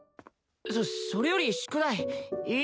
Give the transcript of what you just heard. そそれより宿題いいのか？